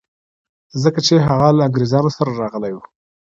ځکه چي هغه له انګریزانو سره راغلی و.